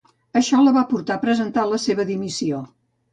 Això la va portar a presentar la seva dimissió.